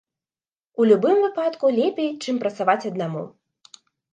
У любым выпадку, лепей, чым працаваць аднаму.